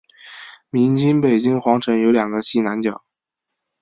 明清北京皇城有两个西南角。